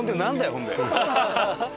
ほんで。